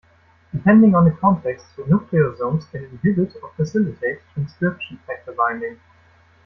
Depending on the context, nucleosomes can inhibit or facilitate transcription factor binding.